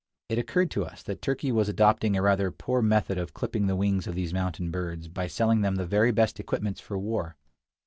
It occurred to us that Turkey was adopting a rather poor method of clipping the wings of these mountain birds, by selling them the very best equipments for war.